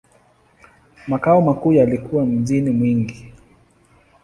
Makao makuu yalikuwa mjini Mwingi.